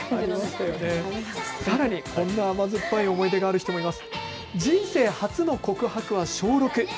こんな甘酸っぱい思い出がある人もいます。